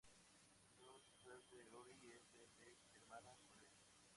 El nuevo disfraz de Ory es el de "Hermana Colette".